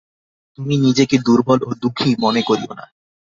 তুমি নিজেকে দুর্বল ও দুঃখী মনে করিও না।